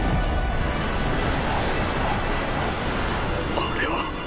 あれは。